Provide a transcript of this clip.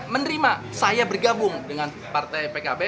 menerima saya bergabung dengan partai pkb